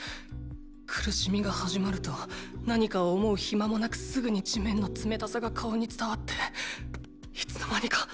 苦しみが始まると何かを思う暇もなくすぐに地面の冷たさが顔に伝わっていつのまにか！